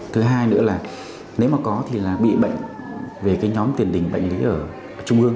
thứ hai nữa là nếu mà có thì là bị bệnh về cái nhóm tiền đình bệnh lý ở trung ương